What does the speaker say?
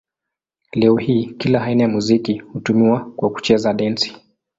Leo hii kila aina ya muziki hutumiwa kwa kucheza dansi.